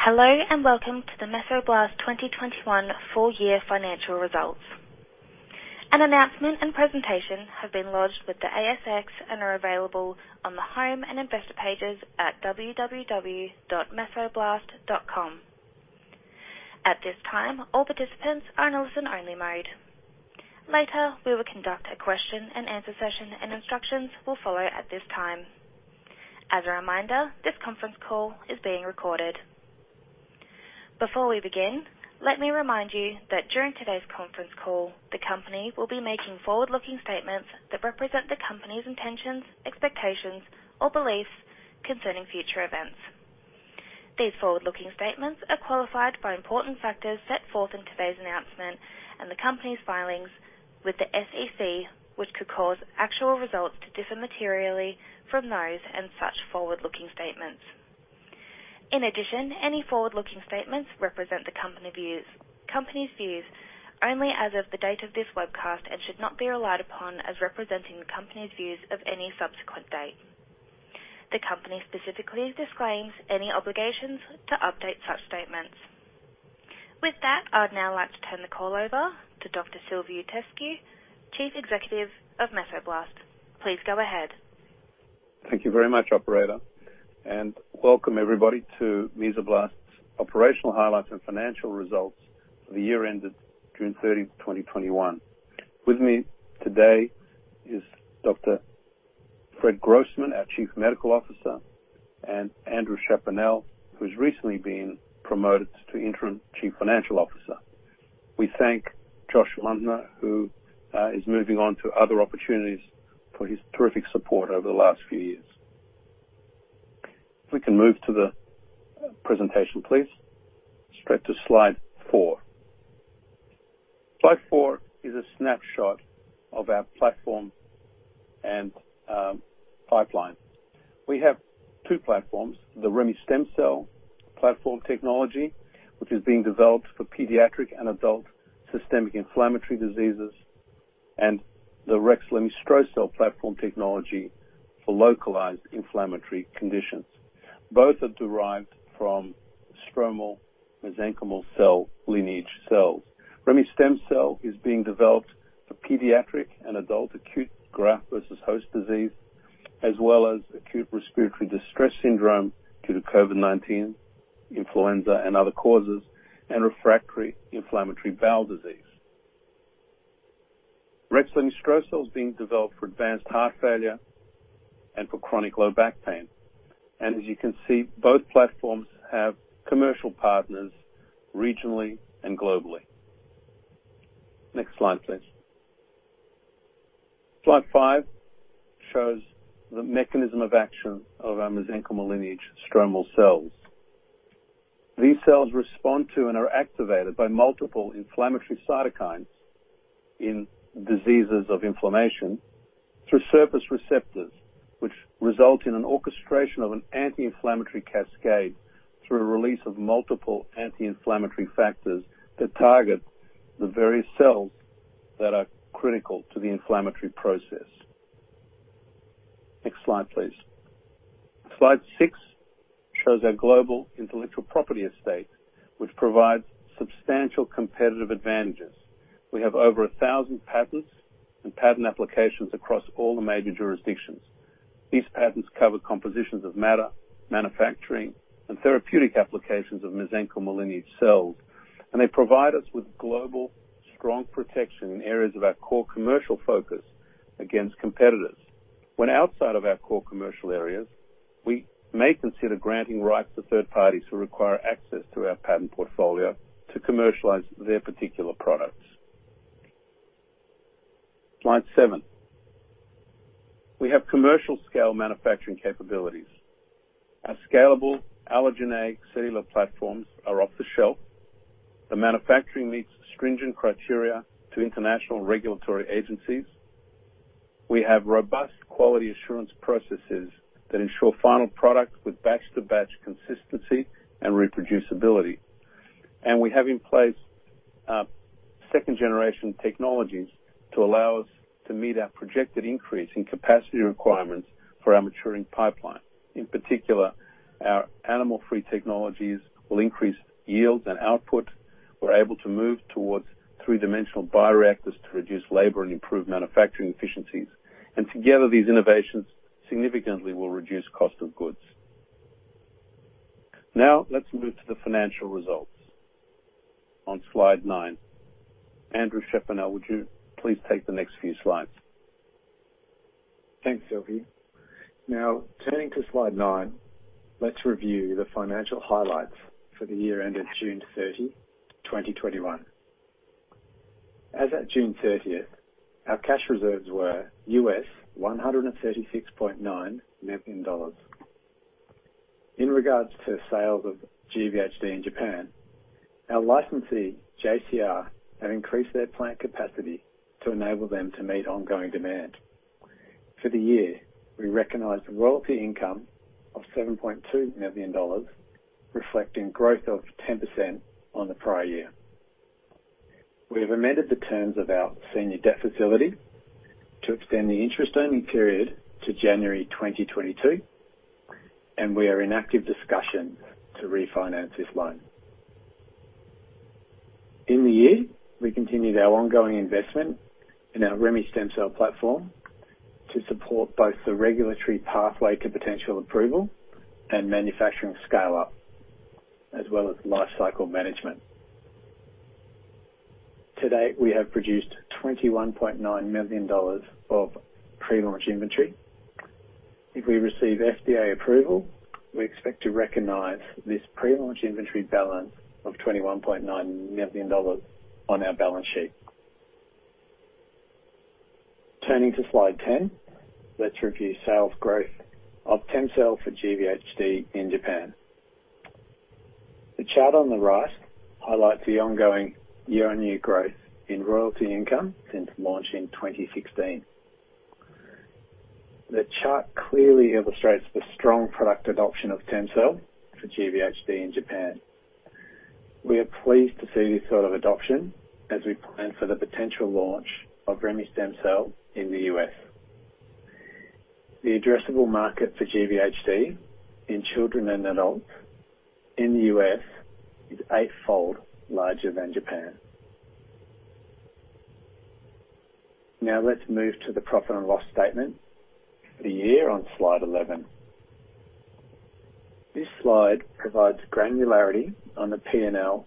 Hello, welcome to the Mesoblast 2021 Full-Year Financial Results. An announcement and presentation have been lodged with the ASX and are available on the home and investor pages at www.mesoblast.com. At this time, all participants are in listen only mode. Later, we will conduct a question and answer session. Instructions will follow at this time. As a reminder, this conference call is being recorded. Before we begin, let me remind you that during today's conference call, the company will be making forward-looking statements that represent the company's intentions, expectations, or beliefs concerning future events. These forward-looking statements are qualified by important factors set forth in today's announcement and the company's filings with the SEC, which could cause actual results to differ materially from those and such forward-looking statements. In addition, any forward-looking statements represent the company's views only as of the date of this webcast and should not be relied upon as representing the company's views of any subsequent date. The company specifically disclaims any obligations to update such statements. With that, I'd now like to turn the call over to Dr. Silviu Itescu, Chief Executive of Mesoblast. Please go ahead. Thank you very much, operator. Welcome everybody to Mesoblast's operational highlights and financial results for the year ended June 30th, 2021. With me today is Dr. Fred Grossman, our Chief Medical Officer, and Andrew Chaponnel, who's recently been promoted to Interim Chief Financial Officer. We thank Josh Muntner, who is moving on to other opportunities, for his terrific support over the last few years. If we can move to the presentation, please. Straight to slide 4. Slide 4 is a snapshot of our platform and pipeline. We have two platforms, the remestemcel-L platform technology, which is being developed for pediatric and adult systemic inflammatory diseases, and the rexlemestrocel-L platform technology for localized inflammatory conditions. Both are derived from stromal mesenchymal cell lineage cells. Remestemcel-L is being developed for pediatric and adult acute graft-versus-host disease, as well as acute respiratory distress syndrome due to COVID-19, influenza, and other causes, and refractory inflammatory bowel disease. rexlemestrocel-L is being developed for advanced heart failure and for chronic low back pain. As you can see, both platforms have commercial partners regionally and globally. Next slide, please. Slide 5 shows the mechanism of action of our mesenchymal lineage stromal cells. These cells respond to and are activated by multiple inflammatory cytokines in diseases of inflammation through surface receptors, which result in an orchestration of an anti-inflammatory cascade through a release of multiple anti-inflammatory factors that target the very cells that are critical to the inflammatory process. Next slide, please. Slide 6 shows our global intellectual property estate, which provides substantial competitive advantages. We have over 1,000 patents and patent applications across all the major jurisdictions. These patents cover compositions of matter, manufacturing, and therapeutic applications of mesenchymal lineage cells. They provide us with global strong protection in areas of our core commercial focus against competitors. When outside of our core commercial areas, we may consider granting rights to third parties who require access to our patent portfolio to commercialize their particular products. Slide 7. We have commercial scale manufacturing capabilities. Our scalable allogeneic cellular platforms are off the shelf. The manufacturing meets stringent criteria to international regulatory agencies. We have robust quality assurance processes that ensure final product with batch-to-batch consistency and reproducibility. We have in place second-generation technologies to allow us to meet our projected increase in capacity requirements for our maturing pipeline. In particular, our animal-free technologies will increase yields and output. We're able to move towards three-dimensional bioreactors to reduce labor and improve manufacturing efficiencies. Together, these innovations significantly will reduce cost of goods. Let's move to the financial results on slide 9. Andrew Chaponnel, would you please take the next few slides? Thanks, Silviu. Turning to slide 9, let's review the financial highlights for the year ended June 30, 2021. As at June 30th, our cash reserves were US $136.9 million. In regards to sales of GvHD in Japan, our licensee, JCR, have increased their plant capacity to enable them to meet ongoing demand. For the year, we recognized royalty income of $7.2 million, reflecting growth of 10% on the prior year. We have amended the terms of our senior debt facility to extend the interest-earning period to January 2022, and we are in active discussion to refinance this loan. In the year, we continued our ongoing investment in our remestemcel-L platform to support both the regulatory pathway to potential approval and manufacturing scale-up, as well as lifecycle management. To date, we have produced $21.9 million of pre-launch inventory. If we receive FDA approval, we expect to recognize this pre-launch inventory balance of $21.9 million on our balance sheet. Turning to slide 10, let's review sales growth of TEMCELL for GVHD in Japan. The chart on the right highlights the ongoing year-over-year growth in royalty income since launch in 2016. The chart clearly illustrates the strong product adoption of TEMCELL for GVHD in Japan. We are pleased to see this sort of adoption as we plan for the potential launch of remestemcel-L in the U.S. The addressable market for GVHD in children and adults in the U.S. is eightfold larger than Japan. Let's move to the profit and loss statement for the year on slide 11. This slide provides granularity on the P&L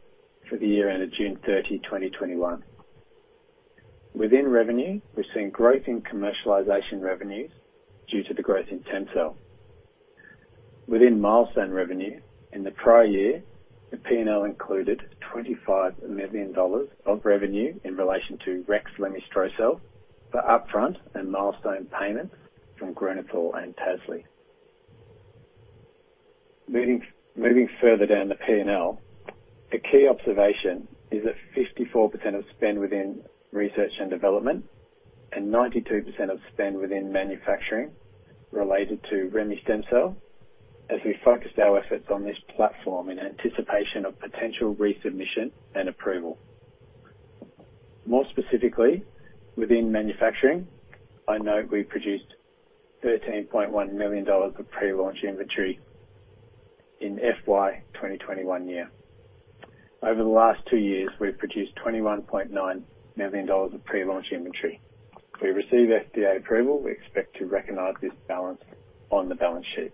for the year ended June 30, 2021. Within revenue, we've seen growth in commercialization revenues due to the growth in TEMCELL. Within milestone revenue, in the prior year, the P&L included $25 million of revenue in relation to rexlemestrocel-L for upfront and milestone payments from Grünenthal and Tasly. Moving further down the P&L, a key observation is that 54% of spend within research and development and 92% of spend within manufacturing related to remestemcel-L, as we focused our efforts on this platform in anticipation of potential resubmission and approval. More specifically, within manufacturing, I note we produced $13.1 million of pre-launch inventory in FY 2021 year. Over the last 2 years, we've produced $21.9 million of pre-launch inventory. If we receive FDA approval, we expect to recognize this balance on the balance sheet.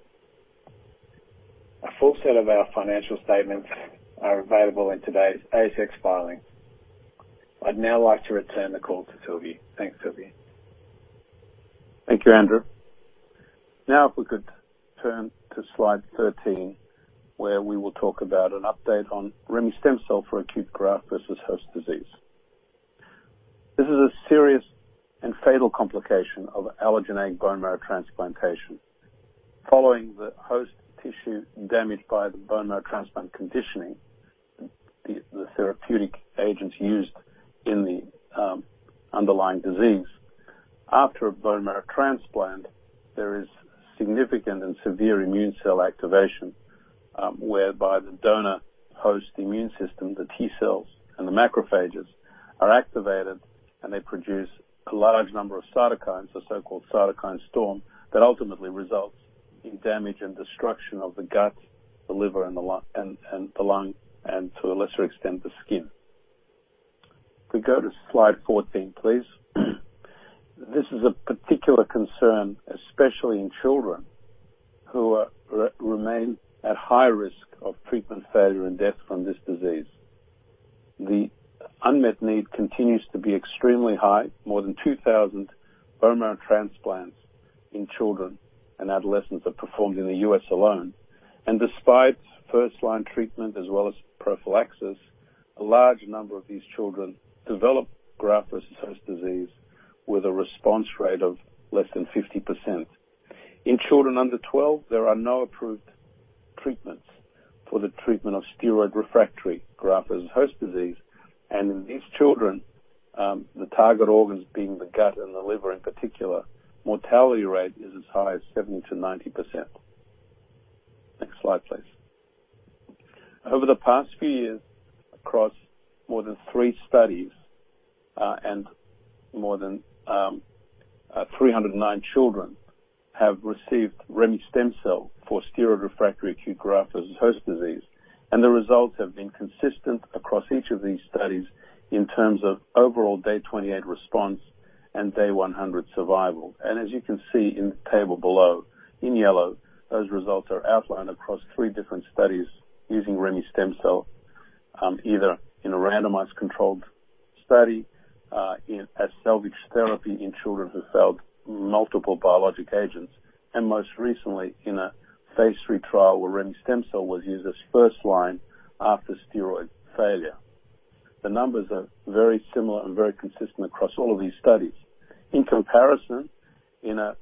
A full set of our financial statements are available in today's ASX filing. I'd now like to return the call to Silviu. Thanks, Silviu. Thank you, Andrew. If we could turn to slide 13, where we will talk about an update on remestemcel-L for acute graft-versus-host disease. This is a serious and fatal complication of allogeneic bone marrow transplantation. Following the host tissue damaged by the bone marrow transplant conditioning, the therapeutic agents used in the underlying disease. After a bone marrow transplant, there is significant and severe immune cell activation, whereby the donor host immune system, the T cells and the macrophages, are activated, and they produce a large number of cytokines, a so-called cytokine storm, that ultimately results in damage and destruction of the gut, the liver, and the lung, and to a lesser extent, the skin. Could we go to slide 14, please? This is of particular concern, especially in children, who remain at high risk of treatment failure and death from this disease. The unmet need continues to be extremely high. More than 2,000 bone marrow transplants in children and adolescents are performed in the U.S. alone. Despite first-line treatment as well as prophylaxis, a large number of these children develop graft-versus-host disease with a response rate of less than 50%. In children under 12, there are no approved treatments for the treatment of steroid-refractory graft-versus-host disease. In these children, the target organs being the gut and the liver in particular, mortality rate is as high as 70%-90%. Next slide, please. Over the past few years, across more than three studies, and more than 309 children have received remestemcel-L for steroid-refractory acute graft-versus-host disease, and the results have been consistent across each of these studies in terms of overall day 28 response and day 100 survival. As you can see in the table below, in yellow, those results are outlined across three different studies using remestemcel-L, either in a randomized controlled study as pelvic therapy in children who failed multiple biologic agents, and most recently in a phase III trial where remestemcel-L was used as first-line after steroid failure. The numbers are very similar and very consistent across all of these studies. In comparison, in a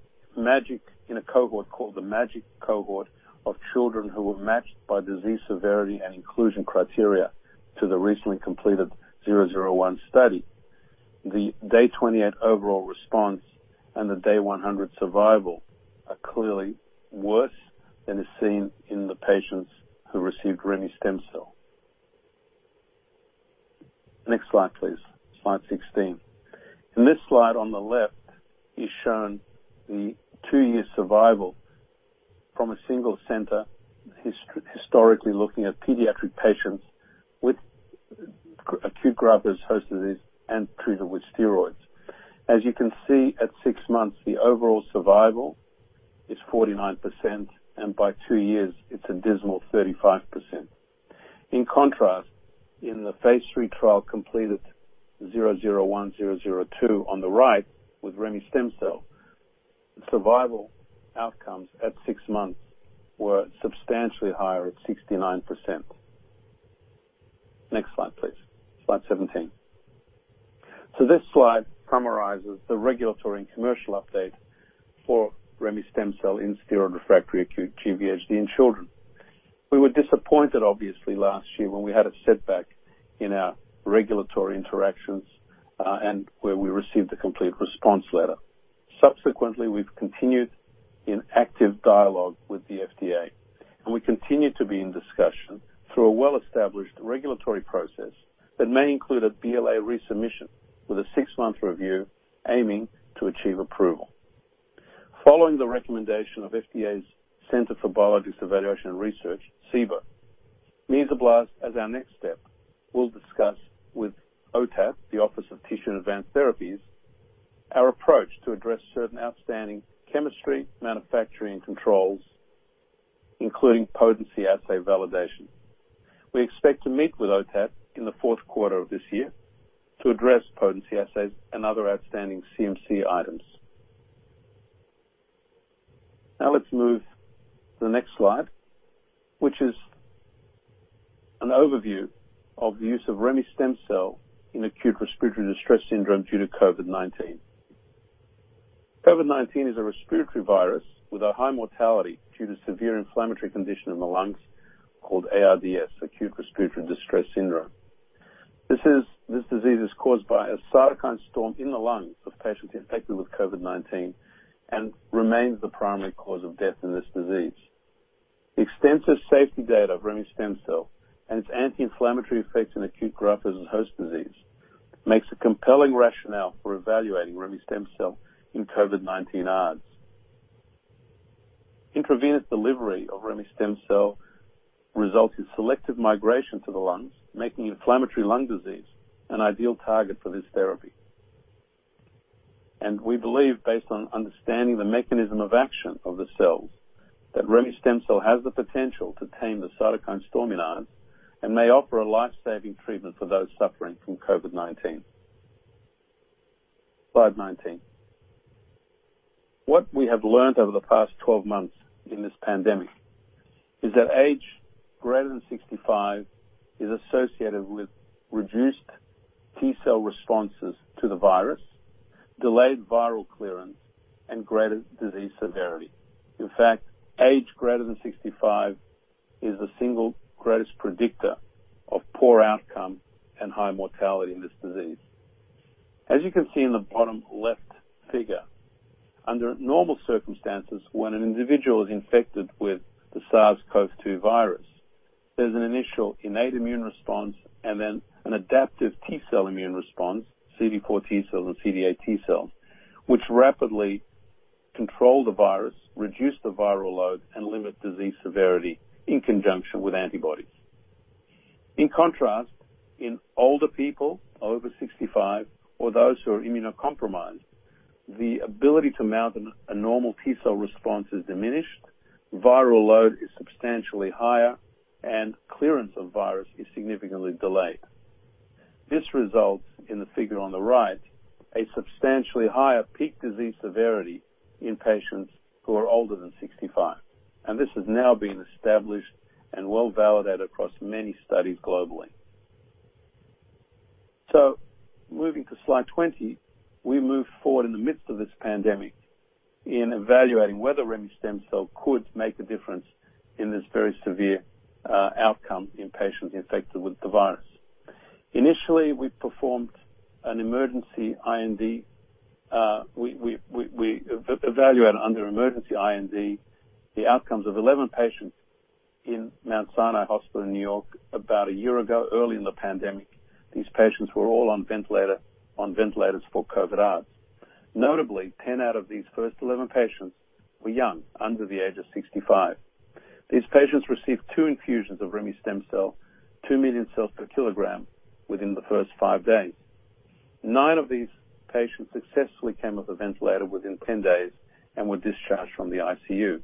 cohort called the MAGIC cohort of children who were matched by disease severity and inclusion criteria to the recently completed GVHD-001 study. The day 28 overall response and the day 100 survival are clearly worse than is seen in the patients who received remestemcel. Next slide, please. Slide 16. In this slide, on the left is shown the two-year survival from a single center, historically looking at pediatric patients with acute graft-versus-host disease and treated with steroids. As you can see, at six months, the overall survival is 49%, and by two years, it's a dismal 35%. In contrast, in the phase III trial completed, GVHD001/002 on the right with remestemcel, survival outcomes at six months were substantially higher at 69%. Next slide, please. Slide 17. This slide summarizes the regulatory and commercial update for remestemcel in steroid-refractory acute GVHD in children. We were disappointed, obviously, last year when we had a setback in our regulatory interactions, and where we received a complete response letter. Subsequently, we've continued in active dialogue with the FDA, and we continue to be in discussion through a well-established regulatory process that may include a BLA resubmission with a six-month review aiming to achieve approval. Following the recommendation of FDA's Center for Biologics Evaluation and Research, CBER, Mesoblast, as our next step, will discuss with OTAT, the Office of Tissues and Advanced Therapies, our approach to address certain outstanding chemistry, manufacturing, and controls, including potency assay validation. We expect to meet with OTAT in the fourth quarter of this year to address potency assays and other outstanding CMC items. Let's move to the next slide, which is an overview of the use of remestemcel in acute respiratory distress syndrome due to COVID-19. COVID-19 is a respiratory virus with a high mortality due to severe inflammatory condition in the lungs called ARDS, acute respiratory distress syndrome. This disease is caused by a cytokine storm in the lungs of patients infected with COVID-19 and remains the primary cause of death in this disease. Extensive safety data of remestemcel and its anti-inflammatory effects in acute graft-versus-host disease makes a compelling rationale for evaluating remestemcel in COVID-19 ARDS. Intravenous delivery of remestemcel results in selective migration to the lungs, making inflammatory lung disease an ideal target for this therapy. We believe, based on understanding the mechanism of action of the cells, that remestemcel has the potential to tame the cytokine storm in ARDS and may offer a life-saving treatment for those suffering from COVID-19. Slide 19. What we have learned over the past 12 months in this pandemic is that age greater than 65 is associated with reduced T cell responses to the virus, delayed viral clearance, and greater disease severity. In fact, age greater than 65 is the one greatest predictor of poor outcome and high mortality in this disease. As you can see in the bottom left figure, under normal circumstances, when an individual is infected with the SARS-CoV-2 virus, there's an initial innate immune response and then an adaptive T cell immune response, CD4+ T cells and CD8+ T cells, which rapidly control the virus, reduce the viral load, and limit disease severity in conjunction with antibodies. In contrast, in older people over 65 or those who are immunocompromised, the ability to mount a normal T cell response is diminished, viral load is substantially higher, and clearance of virus is significantly delayed. This results, in the figure on the right, a substantially higher peak disease severity in patients who are older than 65, and this has now been established and well-validated across many studies globally. Moving to slide 20, we moved forward in the midst of this pandemic in evaluating whether remestemcel-L could make a difference in this very severe outcome in patients infected with the virus. Initially, we evaluated under emergency IND the outcomes of 11 patients in The Mount Sinai Hospital in New York about one year ago, early in the pandemic. These patients were all on ventilators for COVID-ARDS. Notably, 10 out of these first 11 patients were young, under the age of 65. These patients received two infusions of remestemcel-L, 2 million cells per kilogram, within the first five days. nine of these patients successfully came off the ventilator within 10 days and were discharged from the ICU.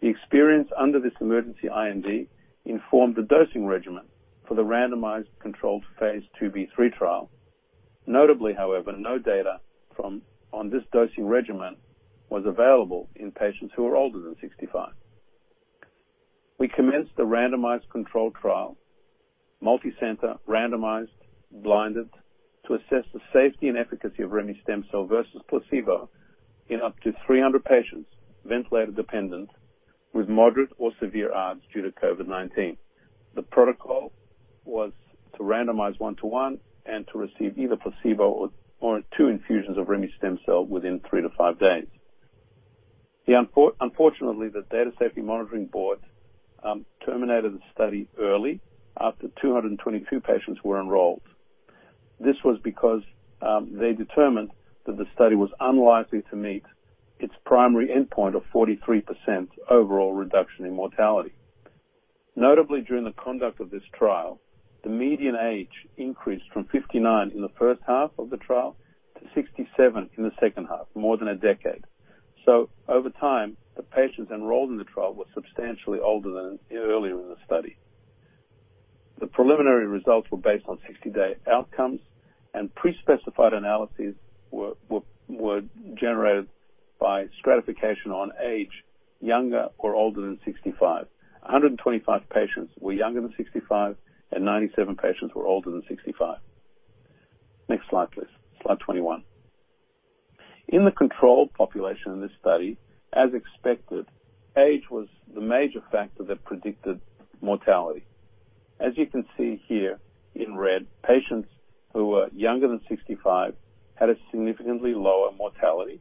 The experience under this emergency IND informed the dosing regimen for the randomized controlled phase II-B/III trial. Notably, however, no data on this dosing regimen was available in patients who were older than 65. We commenced the randomized control trial, multi-center, randomized, blinded, to assess the safety and efficacy of remestemcel versus placebo in up to 300 patients, ventilator-dependent with moderate or severe ARDS due to COVID-19. The protocol was to randomize one to one and to receive either placebo or two infusions of remestemcel within three to five days. Unfortunately, the data safety monitoring board terminated the study early after 222 patients were enrolled. This was because they determined that the study was unlikely to meet its primary endpoint of 43% overall reduction in mortality. Notably, during the conduct of this trial, the median age increased from 59 in the first half of the trial to 67 in the second half, more than a decade. Over time, the patients enrolled in the trial were substantially older than earlier in the study. The preliminary results were based on 60-day outcomes, and pre-specified analyses were generated by stratification on age, younger or older than 65. 125 patients were younger than 65, and 97 patients were older than 65. Next slide, please. Slide 21. In the control population in this study, as expected, age was the major factor that predicted mortality. As you can see here in red, patients who were younger than 65 had a significantly lower mortality,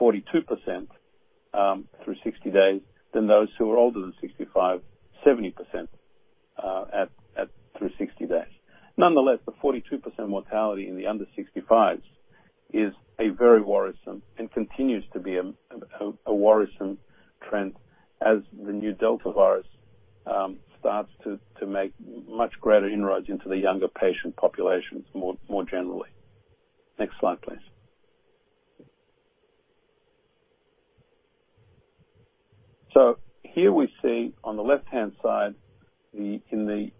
42%, through 60 days, than those who were older than 65, 70% through 60 days. Nonetheless, the 42% mortality in the under 65s is a very worrisome and continues to be a worrisome trend as the new Delta variant starts to make much greater inroads into the younger patient populations more generally. Next slide, please. Here we see on the left-hand side, in the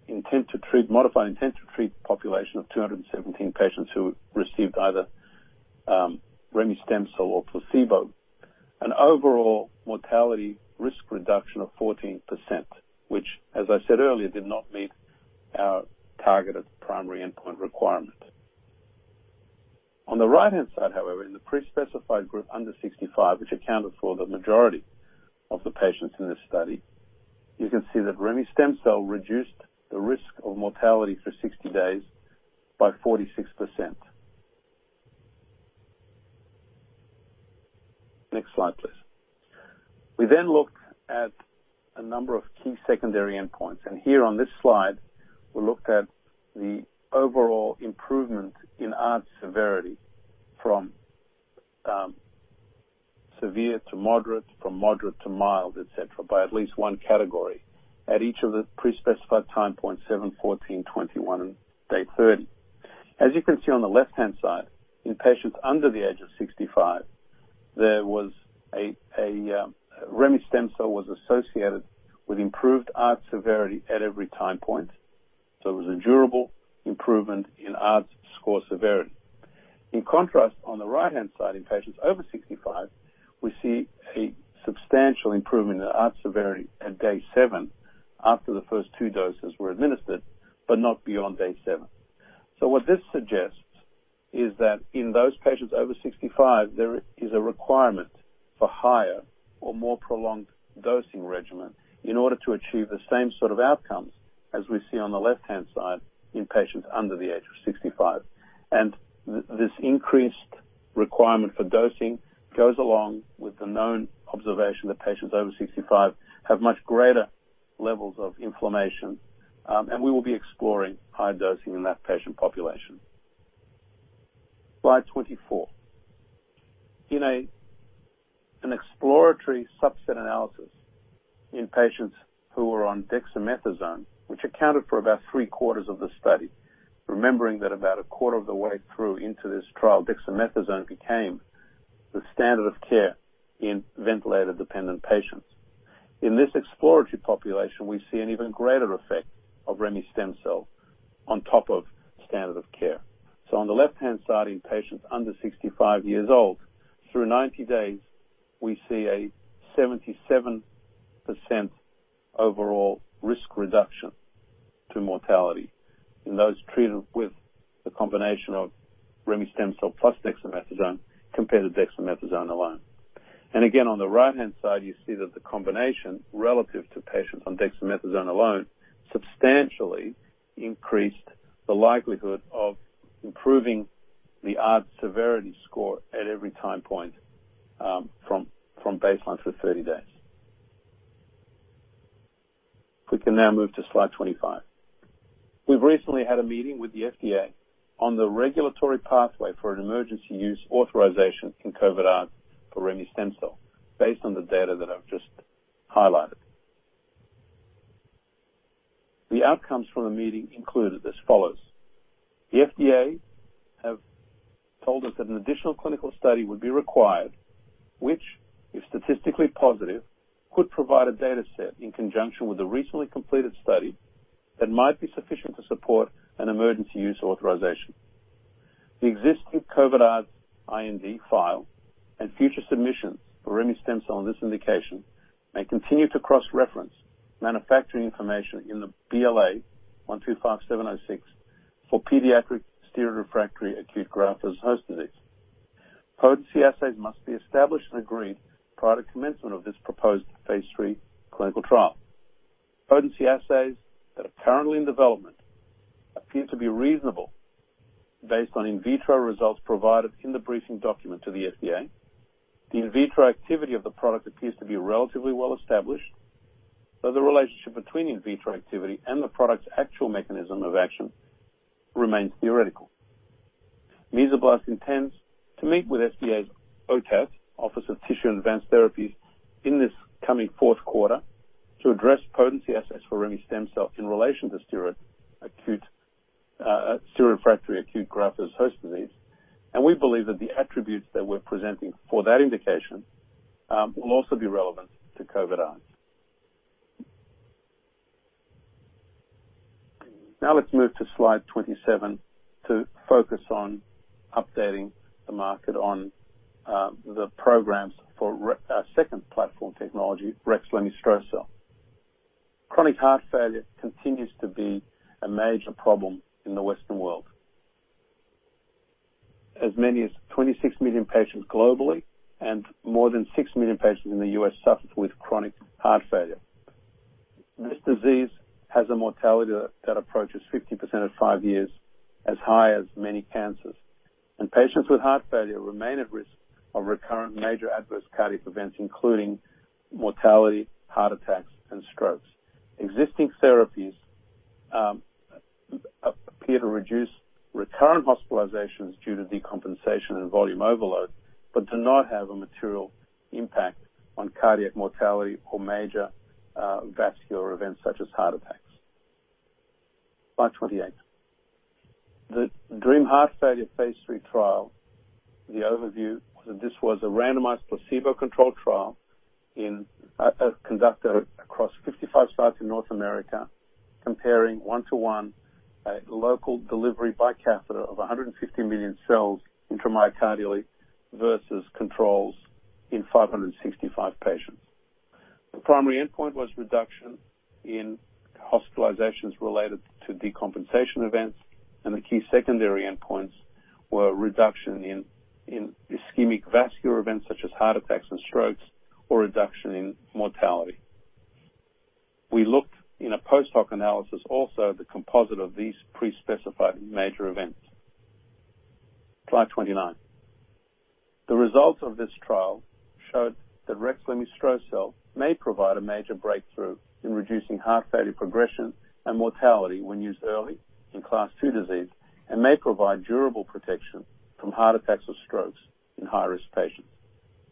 modified intent-to-treat population of 217 patients who received either remestemcel or placebo, an overall mortality risk reduction of 14%, which, as I said earlier, did not meet our targeted primary endpoint requirement. On the right-hand side, however, in the pre-specified group under 65, which accounted for the majority of the patients in this study, you can see that remestemcel reduced the risk of mortality for 60 days by 46%. Next slide, please. We then looked at a number of key secondary endpoints, and here on this slide, we looked at the overall improvement in ARDS severity from severe to moderate, from moderate to mild, et cetera, by at least one category at each of the pre-specified time points, seven, 14, 21, and day 30. As you can see on the left-hand side, in patients under the age of 65, remestemcel was associated with improved ARDS severity at every time point. It was a durable improvement in ARDS score severity. In contrast, on the right-hand side, in patients over 65, we see a substantial improvement in the ARDS severity at day seven after the first two doses were administered, but not beyond day seven. What this suggests is that in those patients over 65, there is a requirement for higher or more prolonged dosing regimen in order to achieve the same sort of outcomes as we see on the left-hand side in patients under the age of 65. This increased requirement for dosing goes along with the known observation that patients over 65 have much greater levels of inflammation. We will be exploring high dosing in that patient population. Slide 24. In an exploratory subset analysis in patients who were on dexamethasone, which accounted for about three-quarters of the study, remembering that about a quarter of the way through into this trial, dexamethasone became the standard of care in ventilator-dependent patients. In this exploratory population, we see an even greater effect of remestemcel on top of standard of care. On the left-hand side, in patients under 65 years old, through 90 days, we see a 77% overall risk reduction to mortality in those treated with the combination of remestemcel plus dexamethasone compared to dexamethasone alone. Again, on the right-hand side, you see that the combination relative to patients on dexamethasone alone substantially increased the likelihood of improving the ARDS severity score at every time point from baseline through 30 days. We can now move to slide 25. We've recently had a meeting with the FDA on the regulatory pathway for an emergency use authorization in COVID-ARDS for remestemcel-L based on the data that I've just highlighted. The outcomes from the meeting included as follows. The FDA have told us that an additional clinical study would be required, which, if statistically positive, could provide a data set in conjunction with a recently completed study that might be sufficient to support an emergency use authorization. The existing COVID-ARDS IND file and future submissions for remestemcel-L in this indication may continue to cross-reference manufacturing information in the BLA 125706 for pediatric steroid-refractory acute graft-versus-host disease. Potency assays must be established and agreed prior to commencement of this proposed phase III clinical trial. Potency assays that are currently in development appear to be reasonable based on in vitro results provided in the briefing document to the FDA. The in vitro activity of the product appears to be relatively well-established, though the relationship between in vitro activity and the product's actual mechanism of action remains theoretical. Mesoblast intends to meet with FDA's OTAT, Office of Tissues and Advanced Therapies, in this coming fourth quarter to address potency assays for remestemcel-L in relation to steroid-refractory acute graft-versus-host disease. We believe that the attributes that we're presenting for that indication will also be relevant to COVID-19. Let's move to slide 27 to focus on updating the market on the programs for our second platform technology, rexlemestrocel-L. Chronic heart failure continues to be a major problem in the Western world. As many as 26 million patients globally and more than six million patients in the U.S. suffer with chronic heart failure. This disease has a mortality that approaches 50% at five years, as high as many cancers. Patients with heart failure remain at risk of recurrent major adverse cardiac events, including mortality, heart attacks, and strokes. Existing therapies appear to reduce recurrent hospitalizations due to decompensation and volume overload, but do not have a material impact on cardiac mortality or major vascular events such as heart attacks. Slide 28. The DREAM Heart Failure phase III trial, the overview, this was a randomized placebo-controlled trial conducted across 55 sites in North America, comparing 1-to-1 a local delivery by catheter of 150 million cells intramyocardially versus controls in 565 patients. The primary endpoint was reduction in hospitalizations related to decompensation events, and the key secondary endpoints were reduction in ischemic vascular events, such as heart attacks and strokes, or reduction in mortality. We looked in a post hoc analysis, also the composite of these pre-specified major events. Slide 29. The results of this trial showed that rexlemestrocel-L may provide a major breakthrough in reducing heart failure progression and mortality when used early in Class two disease and may provide durable protection from heart attacks or strokes in high-risk patients.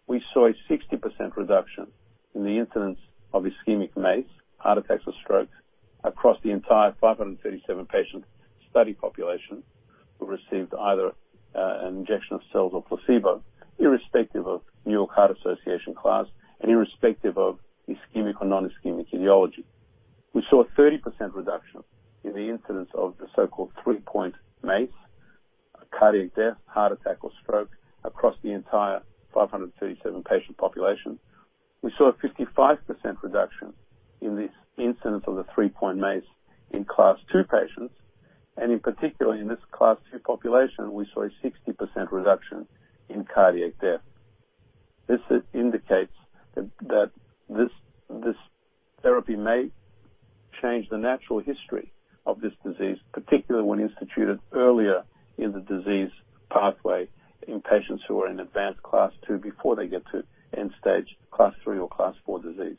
We saw a 60% reduction in the incidence of ischemic MACE, heart attacks, or strokes across the entire 537-patient study population who received either an injection of cells or placebo, irrespective of New York Heart Association class and irrespective of ischemic or non-ischemic etiology. We saw a 30% reduction in the incidence of the so-called three-point MACE, cardiac death, heart attack, or stroke across the entire 537-patient population. We saw a 55% reduction in this incidence of the three-point MACE in Class 2 patients. In particular, in this Class 2 population, we saw a 60% reduction in cardiac death. This indicates that this therapy may change the natural history of this disease, particularly when instituted earlier in the disease pathway in patients who are in advanced Class 2 before they get to end-stage Class 3 or Class 4 disease.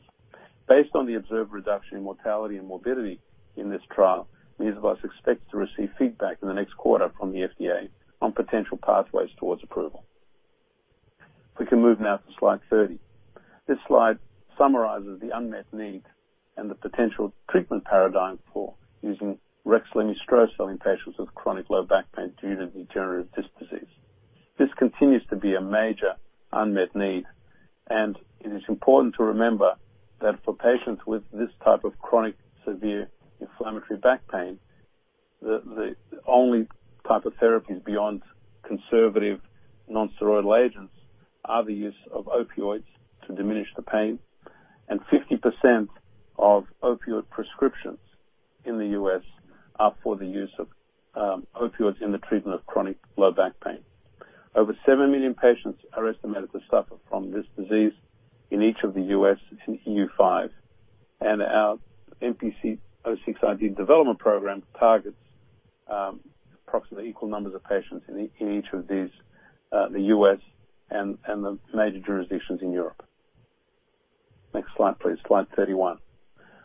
Based on the observed reduction in mortality and morbidity in this trial, Mesoblast expects to receive feedback in the next quarter from the FDA on potential pathways towards approval. We can move now to slide 30. This slide summarizes the unmet need and the potential treatment paradigm for using rexlemestrocel-L in patients with chronic low back pain due to degenerative disc disease. This continues to be a major unmet need. It is important to remember that for patients with this type of chronic severe inflammatory back pain, the only type of therapies beyond conservative non-steroidal agents are the use of opioids to diminish the pain, and 50% of opioid prescriptions in the U.S. are for the use of opioids in the treatment of chronic low back pain. Over seven million patients are estimated to suffer from this disease in each of the U.S. and EU5. Our MPC-06-ID development program targets approximately equal numbers of patients in each of these, the U.S. and the major jurisdictions in Europe. Next slide, please. Slide 31.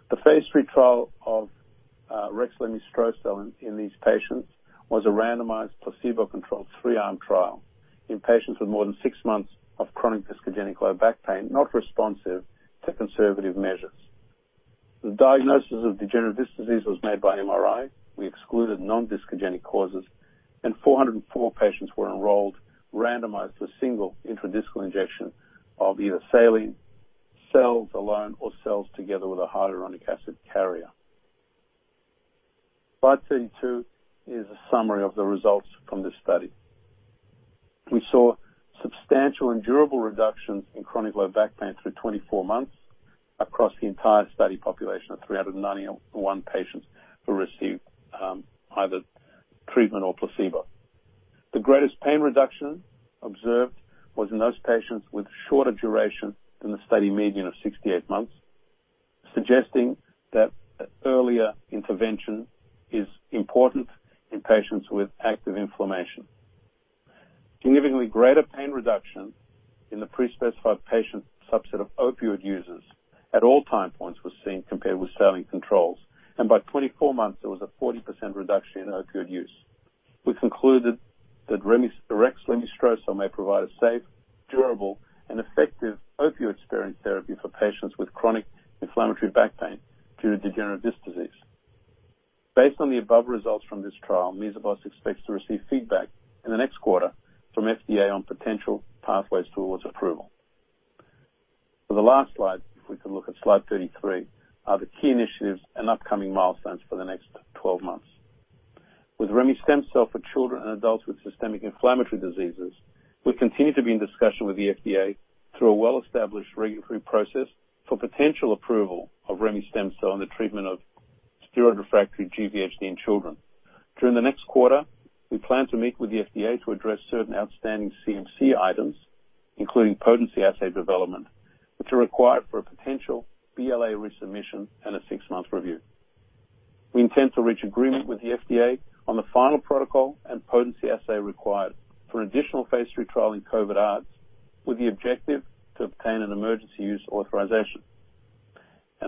The phase III trial of rexlemestrocel-L in these patients was a randomized placebo-controlled 3-arm trial in patients with more than 6 months of chronic discogenic low back pain, not responsive to conservative measures. The diagnosis of degenerative disc disease was made by MRI. We excluded non-discogenic causes, 404 patients were enrolled, randomized to a single intradiscal injection of either saline, cells alone, or cells together with a hyaluronic acid carrier. Slide 32 is a summary of the results from this study. We saw substantial and durable reductions in chronic low back pain through 24 months across the entire study population of 391 patients who received either treatment or placebo. The greatest pain reduction observed was in those patients with shorter duration than the study median of 68 months, suggesting that earlier intervention is important in patients with active inflammation. Significantly greater pain reduction in the pre-specified patient subset of opioid users at all time points was seen compared with saline controls, and by 24 months, there was a 40% reduction in opioid use. We concluded that rexlemestrocel-L may provide a safe, durable and effective opioid-sparing therapy for patients with chronic inflammatory back pain due to degenerative disc disease. Based on the above results from this trial, Mesoblast expects to receive feedback in the next quarter from FDA on potential pathways towards approval. For the last slide, if we can look at slide 33, are the key initiatives and upcoming milestones for the next 12 months. With remestemcel-L for children and adults with systemic inflammatory diseases, we continue to be in discussion with the FDA through a well-established regulatory process for potential approval of remestemcel-L in the treatment of steroid-refractory GVHD in children. During the next quarter, we plan to meet with the FDA to address certain outstanding CMC items, including potency assay development, which are required for a potential BLA resubmission and a six-month review. We intend to reach agreement with the FDA on the final protocol and potency assay required for an additional phase III trial in COVID-ARDS, with the objective to obtain an emergency use authorization.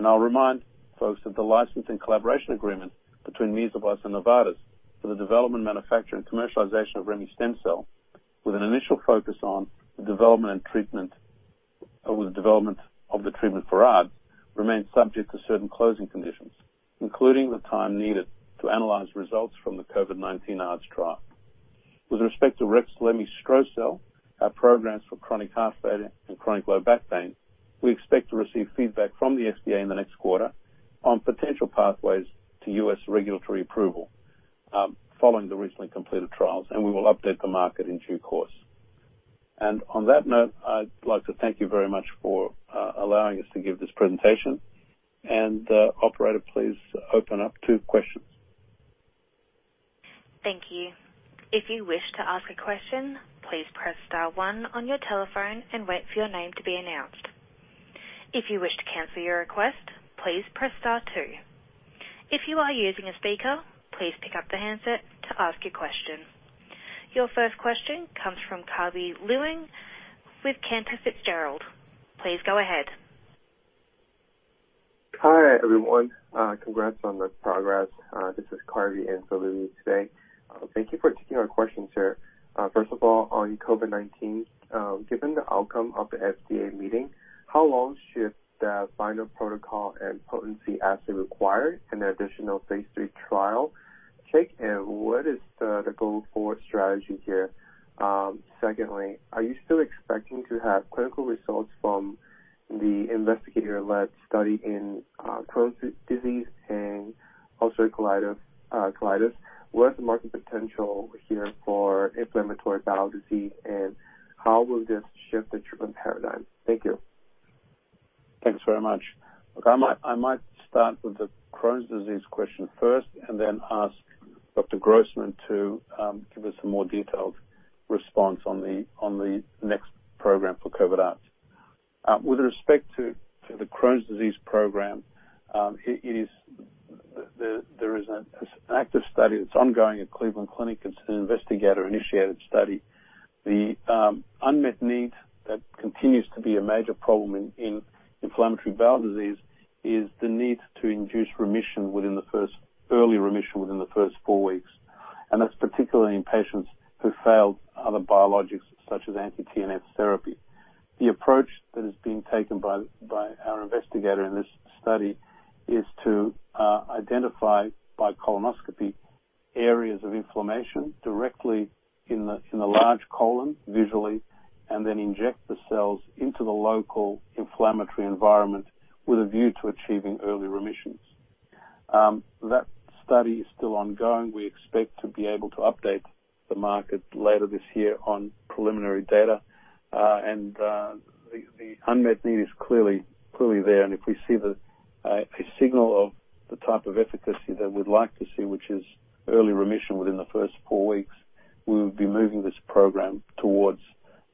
I'll remind folks that the licensing collaboration agreement between Mesoblast and Novartis for the development, manufacture and commercialization of remestemcel-L, with an initial focus on the development of the treatment for ARDS, remains subject to certain closing conditions, including the time needed to analyze results from the COVID-19 ARDS trial. With respect to rexlemestrocel-L, our programs for chronic heart failure and chronic low back pain, we expect to receive feedback from the FDA in the next quarter on potential pathways to U.S. regulatory approval following the recently completed trials, and we will update the market in due course. On that note, I'd like to thank you very much for allowing us to give this presentation. Operator, please open up to questions. Thank you. If you wish to ask question, please press star one on your telephone and wait for your name to be announced. If you wish to cancel your request, please press star two. If your are using a speaker, please pick up the handset to ask your question. Your first question comes from Carvey Leung with Cantor Fitzgerald. Please go ahead. Hi, everyone. Congrats on the progress. This is Carvey in for Louise today. Thank you for taking our questions here. First of all, on COVID-19, given the outcome of the FDA meeting, how long should that final protocol and potency assay required an additional phase III `? [Kristen Lewin], what is the goal for strategy here? Secondly, are you still expecting to have clinical results from the investigator-led study in Crohn's disease and ulcerative colitis? What's the market potential here for inflammatory bowel disease? How will this shift the treatment paradigm? Thank you. Thanks very much. Look, I might start with the Crohn's disease question first and then ask Dr. Grossman to give us a more detailed response on the next program for COVID-ARDS. With respect to the Crohn's disease program, there is an active study that's ongoing at Cleveland Clinic. It's an investigator-initiated study. The unmet need that continues to be a major problem in inflammatory bowel disease is the need to induce early remission within the first four weeks, and that's particularly in patients who failed other biologics such as anti-TNF therapy. The approach that is being taken by our investigator in this study is to identify, by colonoscopy, areas of inflammation directly in the large colon visually, and then inject the cells into the local inflammatory environment with a view to achieving early remissions. That study is still ongoing. We expect to be able to update the market later this year on preliminary data. The unmet need is clearly there, and if we see a signal of the type of efficacy that we'd like to see, which is early remission within the first four weeks, we will be moving this program towards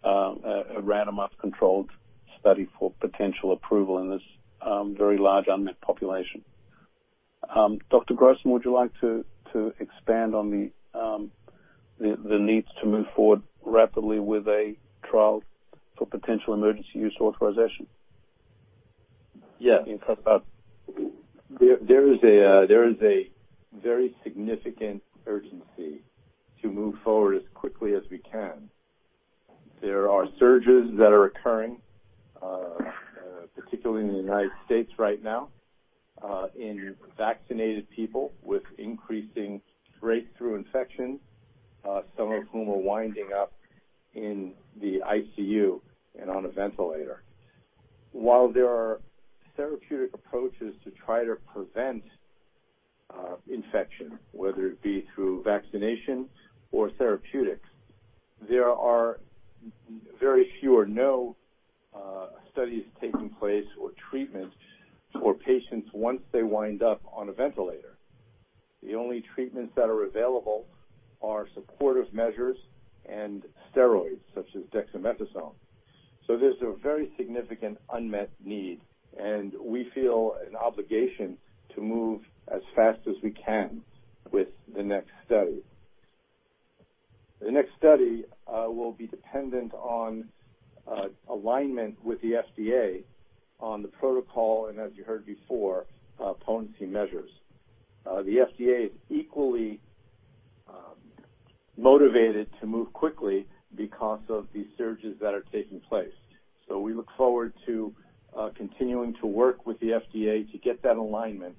a randomized, controlled study for potential approval in this very large unmet population. Dr. Grossman, would you like to expand on the needs to move forward rapidly with a trial for potential emergency use authorization? Yeah. In COVID-ARDS. There is a very significant urgency to move forward as quickly as we can. There are surges that are occurring, particularly in the U.S. right now, in vaccinated people with increasing breakthrough infections, some of whom are winding up in the ICU and on a ventilator. While there are therapeutic approaches to try to prevent infection, whether it be through vaccination or therapeutics. There are very few or no studies taking place or treatments for patients once they wind up on a ventilator. The only treatments that are available are supportive measures and steroids, such as dexamethasone. There's a very significant unmet need, and we feel an obligation to move as fast as we can with the next study. The next study will be dependent on alignment with the FDA on the protocol, and as you heard before, potency measures. The FDA is equally motivated to move quickly because of these surges that are taking place. We look forward to continuing to work with the FDA to get that alignment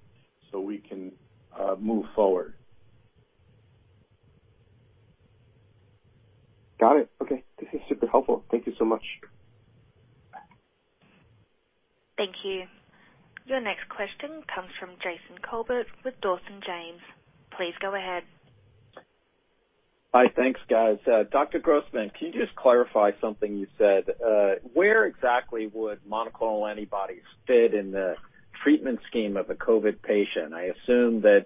so we can move forward. Got it. Okay. This is super helpful. Thank you so much. Thank you. Your next question comes from Jason Kolbert with Dawson James. Please go ahead. Hi. Thanks, guys. Dr. Grossman, can you just clarify something you said? Where exactly would monoclonal antibodies fit in the treatment scheme of a COVID patient? I assume that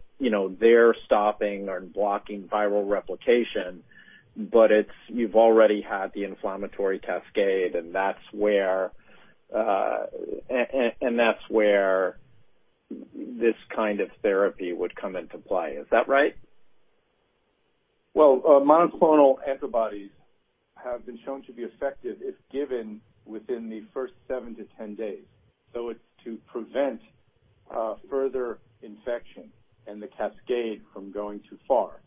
they're stopping or blocking viral replication, but you've already had the inflammatory cascade, and that's where this kind of therapy would come into play. Is that right? Monoclonal antibodies have been shown to be effective if given within the first seven to 10 days. It's to prevent further infection and the cascade from going too far.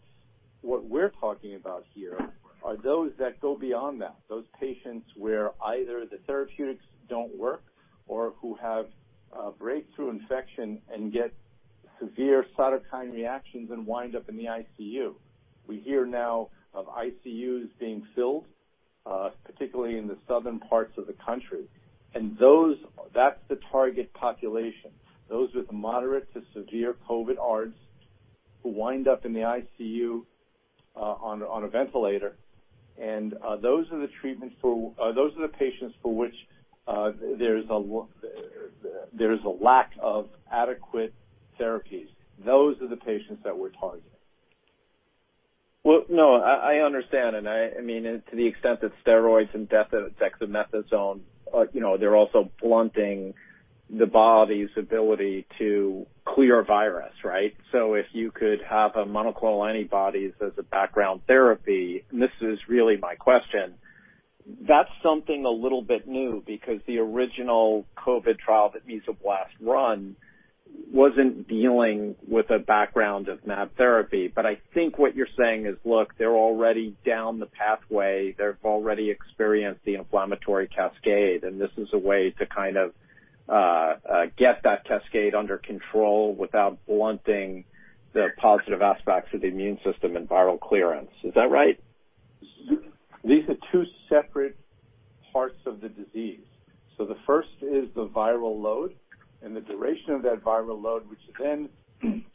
What we're talking about here are those that go beyond that, those patients where either the therapeutics don't work or who have breakthrough infection and get severe cytokine reactions and wind up in the ICU. We hear now of ICUs being filled, particularly in the southern parts of the country. That's the target population. Those with moderate to severe COVID-ARDS who wind up in the ICU on a ventilator, those are the patients for which there is a lack of adequate therapies. Those are the patients that we're targeting. Well, no, I understand. To the extent that steroids and dexamethasone, they're also blunting the body's ability to clear a virus, right? If you could have a monoclonal antibody as a background therapy, and this is really my question, that's something a little bit new because the original COVID trial that Mesoblast run wasn't dealing with a background of therapy. I think what you're saying is, look, they're already down the pathway, they've already experienced the inflammatory cascade, and this is a way to kind of get that cascade under control without blunting the positive aspects of the immune system and viral clearance. Is that right? These are two separate parts of the disease. The first is the viral load and the duration of that viral load, which then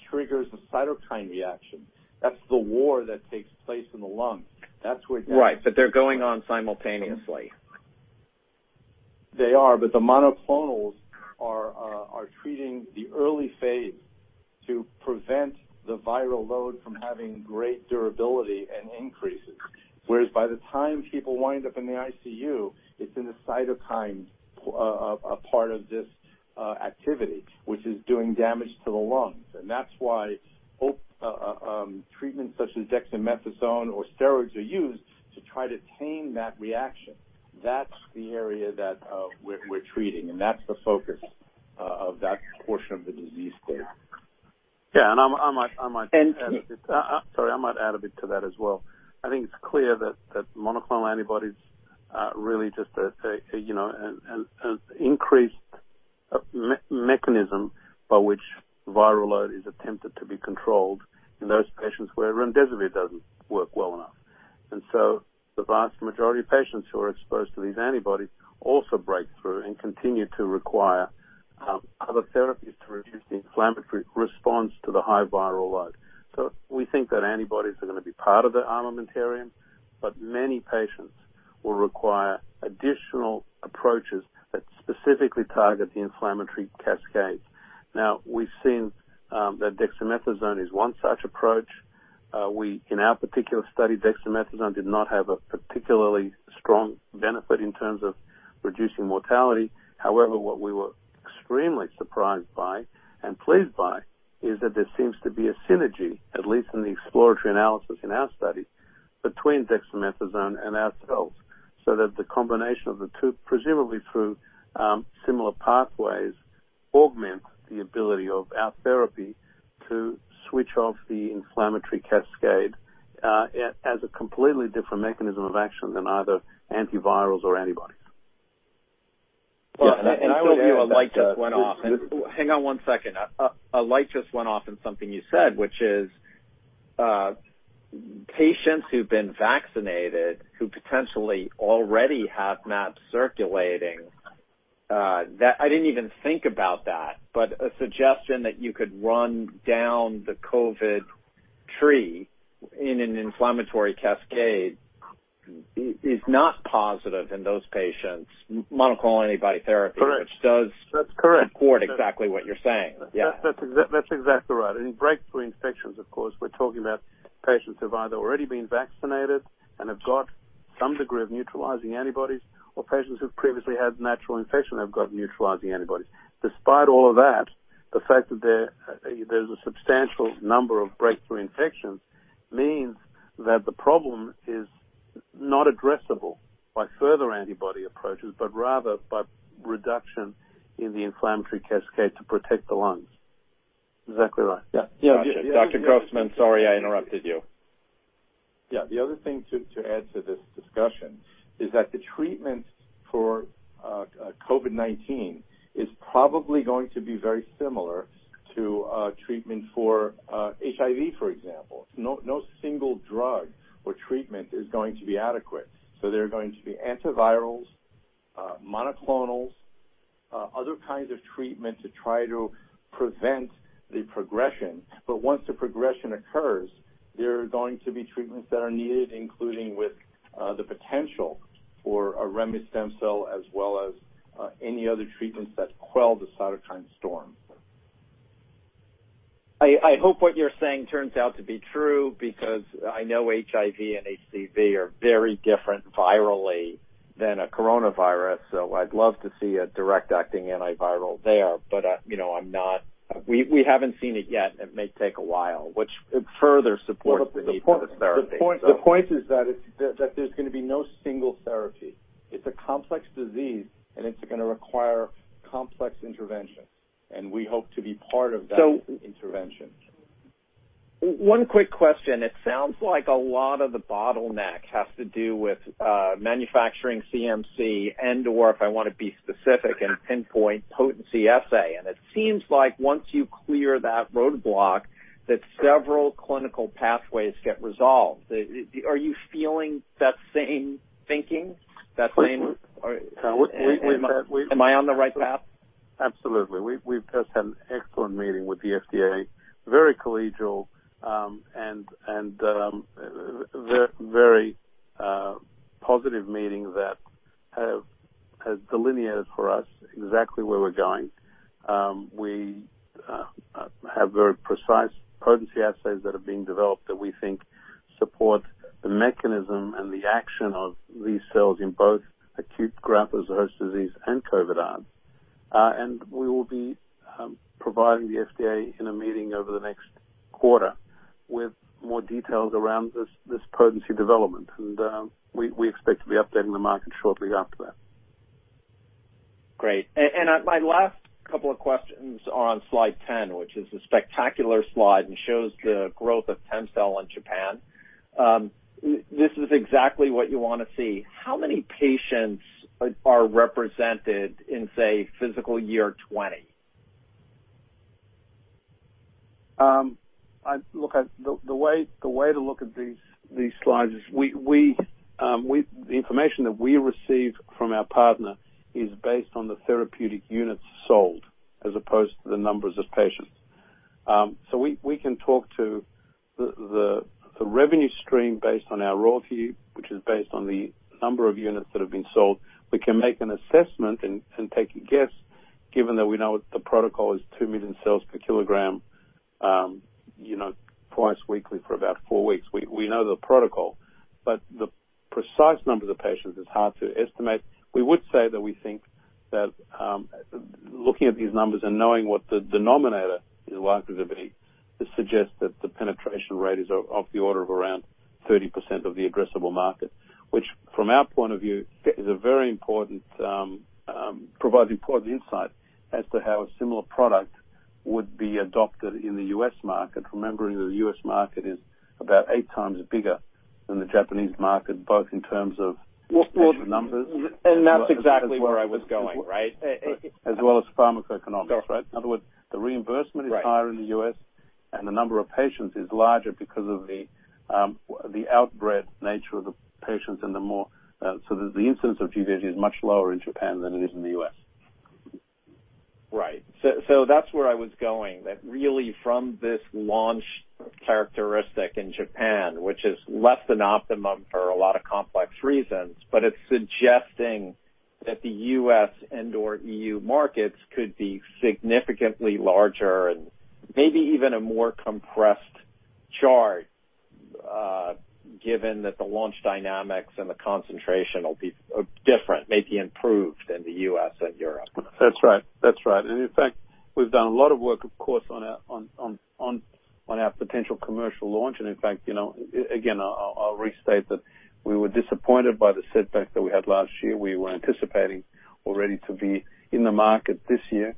triggers a cytokine reaction. That's the war that takes place in the lungs. Right. They're going on simultaneously. They are. The monoclonals are treating the early phase to prevent the viral load from having great durability and increases. By the time people wind up in the ICU, it's in the cytokine part of this activity, which is doing damage to the lungs. That's why treatments such as dexamethasone or steroids are used to try to tame that reaction. That's the area that we're treating. That's the focus of that portion of the disease state. Yeah, and I might. And can- Sorry, I might add a bit to that as well. I think it's clear that monoclonal antibodies are really just an increased mechanism by which viral load is attempted to be controlled in those patients where remdesivir doesn't work well enough. The vast majority of patients who are exposed to these antibodies also break through and continue to require other therapies to reduce the inflammatory response to the high viral load. We think that antibodies are going to be part of the armamentarium, but many patients will require additional approaches that specifically target the inflammatory cascade. We've seen that dexamethasone is one such approach. In our particular study, dexamethasone did not have a particularly strong benefit in terms of reducing mortality. What we were extremely surprised by and pleased by is that there seems to be a synergy, at least in the exploratory analysis in our study, between dexamethasone and our cells, so that the combination of the two, presumably through similar pathways, augments the ability of our therapy to switch off the inflammatory cascade as a completely different mechanism of action than either antivirals or antibodies. Yeah, I would add that. A light just went off. Hang on one second. A light just went off in something you said, which is. Patients who've been vaccinated who potentially already have mAb circulating, I didn't even think about that. A suggestion that you could run down the COVID tree in an inflammatory cascade is not positive in those patients. Monoclonal antibody therapy. Correct which does- That's correct. support exactly what you're saying. Yeah. That's exactly right. In breakthrough infections, of course, we're talking about patients who've either already been vaccinated and have got some degree of neutralizing antibodies or patients who previously had natural infection have got neutralizing antibodies. Despite all of that, the fact that there's a substantial number of breakthrough infections means that the problem is not addressable by further antibody approaches, but rather by reduction in the inflammatory cascade to protect the lungs. Is that correct? Yeah. Yeah. Dr. Grossman, sorry I interrupted you. Yeah. The other thing to add to this discussion is that the treatment for COVID-19 is probably going to be very similar to treatment for HIV, for example. No single drug or treatment is going to be adequate. There are going to be antivirals, monoclonals, other kinds of treatments to try to prevent the progression. Once the progression occurs, there are going to be treatments that are needed, including with the potential for a remestemcel-L, as well as any other treatments that quell the cytokine storm. I hope what you're saying turns out to be true, because I know HIV and HCV are very different virally than a coronavirus. I'd love to see a direct-acting antiviral there. We haven't seen it yet. It may take a while, which would further support- Well, the point- The point- The point is that there's going to be no single therapy. It's a complex disease, and it's going to require complex interventions, and we hope to be part of that intervention. One quick question. It sounds like a lot of the bottleneck has to do with manufacturing CMC and/or if I want to be specific and pinpoint potency assay. It seems like once you clear that roadblock, that several clinical pathways get resolved. Are you feeling that same thinking, that same? Absolutely. Am I on the right path? Absolutely. We've just had an excellent meeting with the FDA, very collegial, and a very positive meeting that delineates for us exactly where we're going. We have very precise potency assays that are being developed that we think support the mechanism and the action of these cells in both acute graft versus host disease and COVID-19. We will be providing the FDA in a meeting over the next quarter with more details around this potency development, and we expect to be updating the market shortly after that. Great. My last couple of questions on slide 10, which is a spectacular slide and shows the growth of TEMCELL in Japan. This is exactly what you want to see. How many patients are represented in, say, fiscal year 2020? The way to look at these slides is the information that we received from our partner is based on the therapeutic units sold as opposed to the numbers of patients. We can talk to the revenue stream based on our royalty, which is based on the number of units that have been sold. We can make an assessment and take a guess, given that we know the protocol is 2 million cells per kilogram, twice weekly for about four weeks. We know the protocol, the precise number of patients is hard to estimate. We would say that we think that looking at these numbers and knowing what the denominator in the likelihood is suggests that the penetration rate is of the order of around 30% of the addressable market, which from our point of view, provides important insight as to how a similar product would be adopted in the U.S. market. Remembering the U.S. market is about eight times bigger than the Japanese market, both in terms of patient numbers. That's exactly where I was going, right? As well as pharmacoeconomics. That's right. In other words, the reimbursement is higher in the U.S., the number of patients is larger because of the outbred nature of the patients. The incidence of GVHD is much lower in Japan than it is in the U.S. Right. That's where I was going. That really from this launch characteristic in Japan, which is less than optimum for a lot of complex reasons, but it's suggesting that the U.S. and/or EU markets could be significantly larger and maybe even a more compressed chart, given that the launch dynamics and the concentration will be different, maybe improved in the U.S. and Europe. That's right. In fact, we've done a lot of work, of course, on our potential commercial launch. In fact, again, I'll restate that we were disappointed by the setback that we had last year. We were anticipating already to be in the market this year.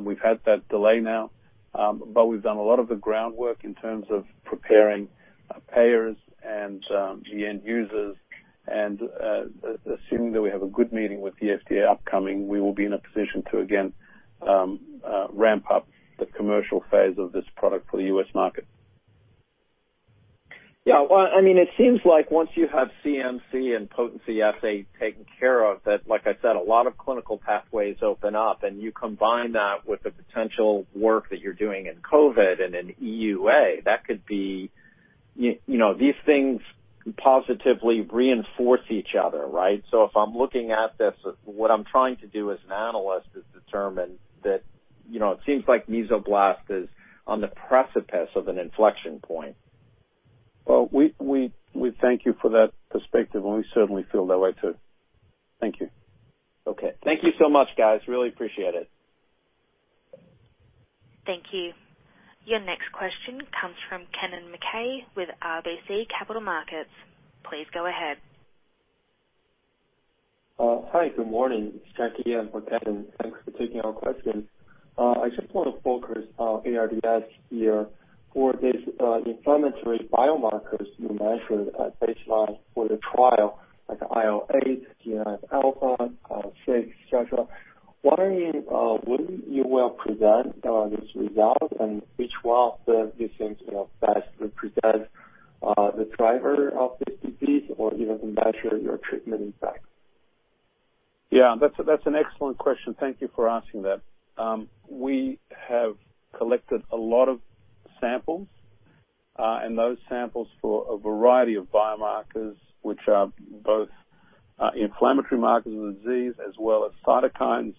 We've had that delay now. We've done a lot of the groundwork in terms of preparing payers and end users Assuming that we have a good meeting with the FDA upcoming, we will be in a position to again ramp up the commercial phase of this product for the U.S. market. Yeah. It seems like once you have CMC and potency assay taken care of, like I said, a lot of clinical pathways open up, and you combine that with the potential work that you're doing in COVID and in EUA. These things positively reinforce each other, right? If I'm looking at this, what I'm trying to do as an analyst is determine that it seems like Mesoblast is on the precipice of an inflection point. Well, we thank you for that perspective, and we certainly feel that way, too. Thank you. Okay. Thank you so much, guys. Really appreciate it. Thank you. Your next question comes from Kennen MacKay with RBC Capital Markets. Please go ahead. Hi, good morning. It's Jackie and Kennen. Thanks for taking our question. I just want to focus on ARDS here. For these inflammatory biomarkers you measured at baseline for the trial, like IL-8, TNF alpha, IL-6, et cetera, when will you present these results and which one of these things best represents the driver of this disease or even measure your treatment impact? That's an excellent question. Thank you for asking that. We have collected a lot of samples, and those samples for a variety of biomarkers, which are both inflammatory markers of the disease as well as cytokines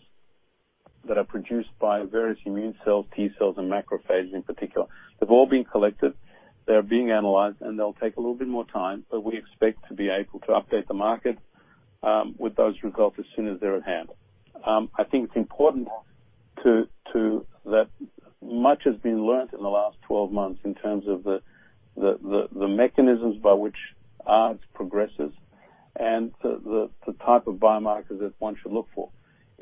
that are produced by various immune cells, T-cells, and macrophages in particular. They've all been collected. They're being analyzed, and they'll take a little bit more time, but we expect to be able to update the market with those results as soon as they're at hand. I think it's important, too, that much has been learned in the last 12 months in terms of the mechanisms by which ARDS progresses and the type of biomarkers that one should look for.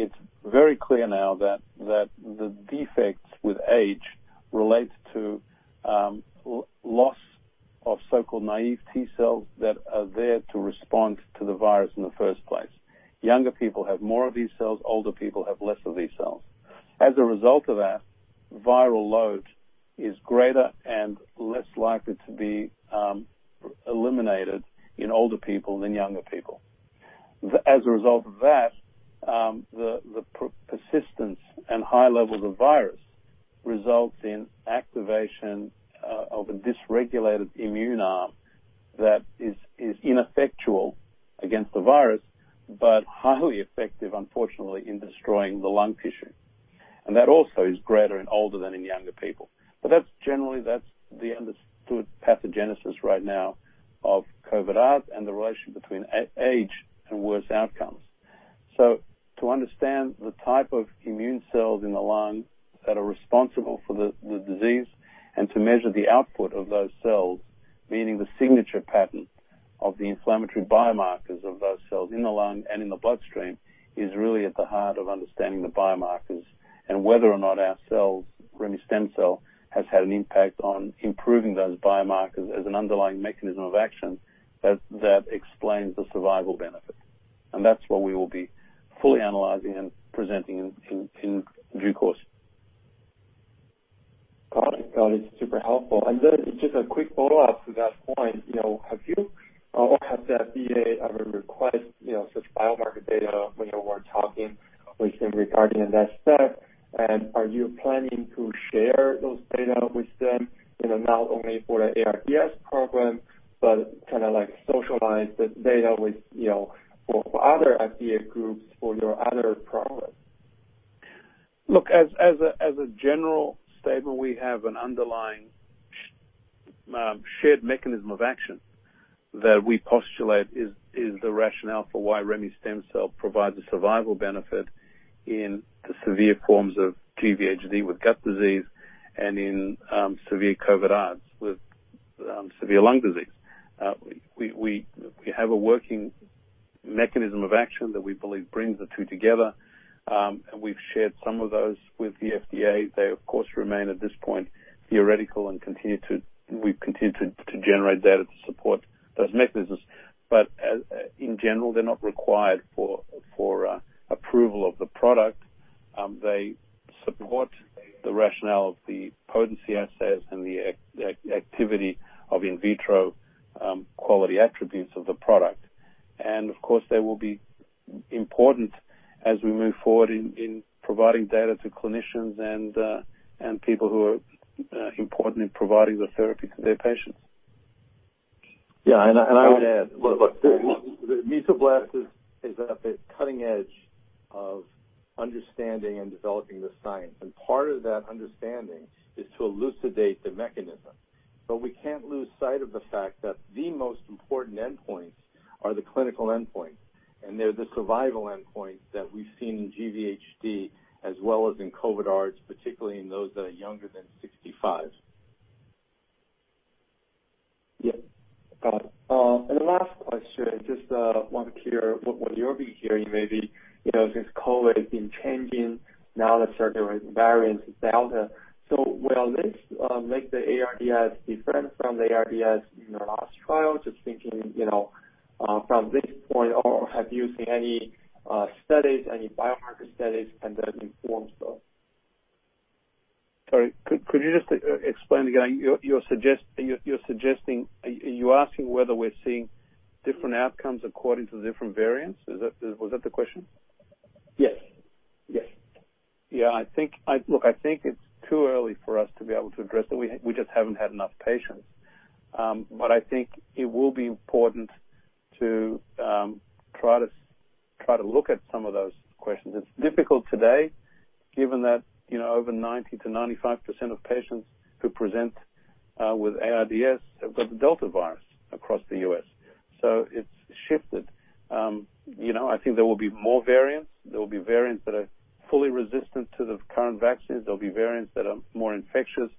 It's very clear now that the defects with age relates to loss of so-called naive T-cells that are there to respond to the virus in the first place. Younger people have more of these cells. Older people have less of these cells. Viral load is greater and less likely to be eliminated in older people than younger people. The persistence and high levels of virus results in activation of a dysregulated immune arm that is ineffectual against the virus, but highly effective, unfortunately, in destroying the lung tissue. That also is greater in older than in younger people. Generally, that's the understood pathogenesis right now of COVID ARDS and the relation between age and worse outcomes. To understand the type of immune cells in the lung that are responsible for the disease and to measure the output of those cells, meaning the signature pattern of the inflammatory biomarkers of those cells in the lung and in the bloodstream, is really at the heart of understanding the biomarkers and whether or not our cells, remestemcel-L, has had an impact on improving those biomarkers as an underlying mechanism of action that explains the survival benefit. That's what we will be fully analyzing and presenting in due course. Got it. Super helpful. Just a quick follow-up to that point, have you or has the FDA ever requested such biomarker data when you were talking with them regarding the next step, and are you planning to share those data with them not only for the ARDS program, but socialize that data with other FDA groups for your other products? Look, as a general statement, we have an underlying shared mechanism of action that we postulate is the rationale for why remestemcel-L provides a survival benefit in severe forms of GvHD with gut disease and in severe COVID-ARDS with severe lung disease. We have a working mechanism of action that we believe brings the two together. We've shared some of those with the FDA. They, of course, remain at this point theoretical. We continue to generate data to support those mechanisms. In general, they're not required for approval of the product. They support the rationale of the potency assays and the activity of in vitro quality attributes of the product. Of course, they will be important as we move forward in providing data to clinicians and people who are important in providing the therapy to their patients. I would add, look, Mesoblast is at the cutting edge of understanding and developing this science, and part of that understanding is to elucidate the mechanism. We can't lose sight of the fact that the most important endpoints are the clinical endpoints, and they're the survival endpoints that we've seen in GvHD as well as in COVID-ARDS, particularly in those that are younger than 65. Yeah. Got it. The last question, just want to hear what you're hearing maybe, since COVID has been changing. Now there are certain variants with Delta. Will this make the ARDS different from the ARDS in your last trial? From this point on, have you seen any studies, any biomarker studies, and that informs those? Sorry, could you just explain again? Are you asking whether we're seeing different outcomes according to the different variants? Was that the question? Yes. Yeah. Look, I think it's too early for us to be able to address that. We just haven't had enough patients. I think it will be important to try to look at some of those questions. It's difficult today given that over 90%-95% of patients who present with ARDS have got the Delta variant across the U.S. It's shifted. I think there will be more variants. There will be variants that are fully resistant to the current vaccines. There'll be variants that are more infectious,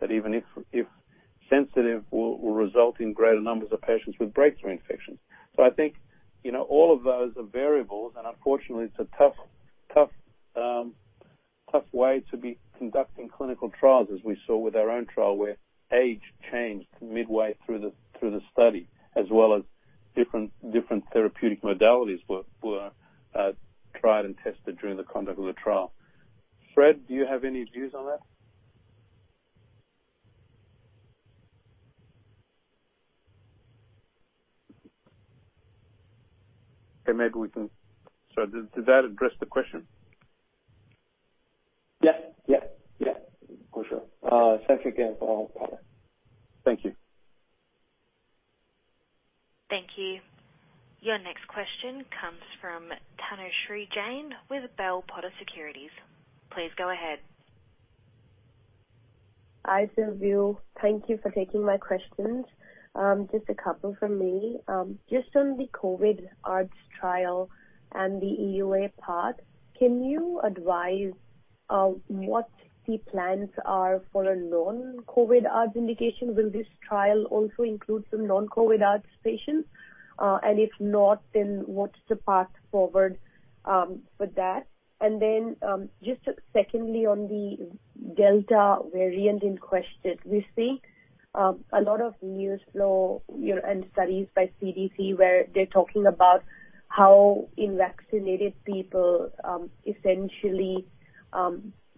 that even if sensitive, will result in greater numbers of patients with breakthrough infections. I think all of those are variables, and unfortunately, it's a tough way to be conducting clinical trials, as we saw with our own trial, where age changed midway through the study as well as different therapeutic modalities were tried and tested during the conduct of the trial. Fred, do you have any views on that? Okay, did that address the question? Yeah. For sure. Thanks again for all. Thank you. Thank you. Your next question comes from Tanushree Jain with Bell Potter Securities. Please go ahead. Hi, Silviu Itescu. Thank you for taking my questions. Just a couple from me. Just on the COVID-ARDS trial and the EUA part, can you advise what the plans are for a non-COVID ARDS indication? Will this trial also include some non-COVID ARDS patients? If not, what's the path forward with that? Just secondly, on the Delta variant in question, we see a lot of news flow and studies by CDC where they're talking about how in vaccinated people, essentially,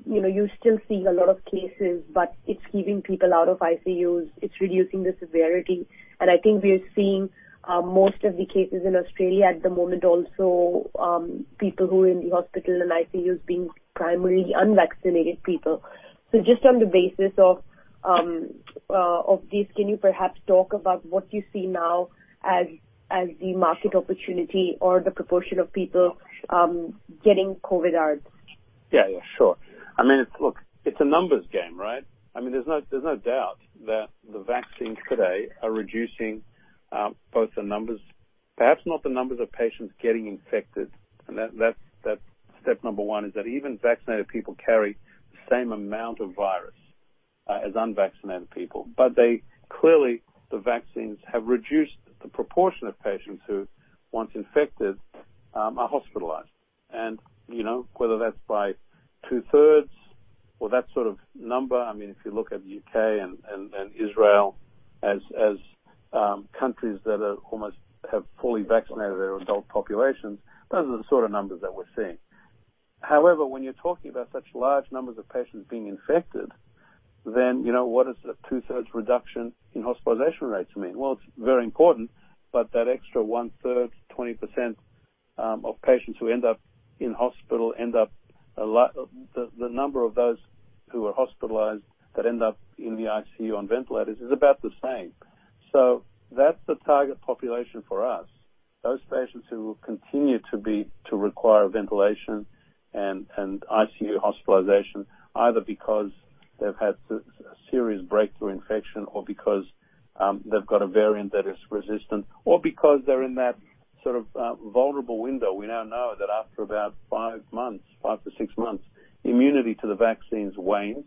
you still see a lot of cases, but it's keeping people out of ICUs, it's reducing the severity. I think we've seen most of the cases in Australia at the moment also, people who are in the hospital in the ICU is being primarily unvaccinated people. Just on the basis of this, can you perhaps talk about what you see now as the market opportunity or the proportion of people getting COVID-ARDS? Yeah, sure. Look, it's a numbers game, right? There's no doubt that the vaccines today are reducing both the numbers. Perhaps not the numbers of patients getting infected. That's step 1, is that even vaccinated people carry the same amount of virus as unvaccinated people. Clearly, the vaccines have reduced the proportion of patients who, once infected, are hospitalized. Whether that's by two-thirds or that sort of number, if you look at the U.K. and Israel as countries that almost have fully vaccinated their adult populations, those are the sort of numbers that we're seeing. However, when you're talking about such large numbers of patients being infected, then what does a 2/3 reduction in hospitalization rates mean? Well, it is very important, but that extra one-third, 20% of patients who end up in hospital, the number of those who are hospitalized that end up in the ICU on ventilators is about the same. That is the target population for us. Those patients who continue to require ventilation and ICU hospitalization, either because they have had a serious breakthrough infection or because they have got a variant that is resistant or because they are in that sort of vulnerable window. We now know that after about five months, five to six months, immunity to the vaccines wanes,